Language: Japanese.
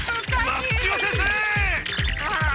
松千代先生！